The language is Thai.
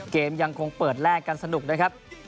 เกมยังคงเปิดแลกกันสนุกนะครับ